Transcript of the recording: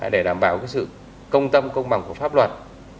để đảm bảo sự công tâm công bằng của pháp luật